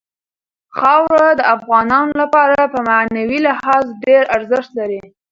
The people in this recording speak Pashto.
خاوره د افغانانو لپاره په معنوي لحاظ ډېر ارزښت لري.